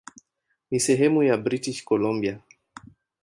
Ni sehemu ya British Columbia.